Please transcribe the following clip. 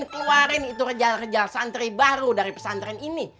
bikin keluarin itu rejal rejal santri baru dari pesantren ini